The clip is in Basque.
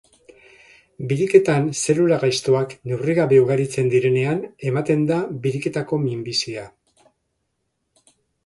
Biriketan zelula gaiztoak neurrigabe ugaritzen direnean ematen da biriketako minbizia.